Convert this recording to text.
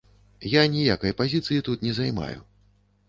Я ніякай пазіцыі тут не займаю.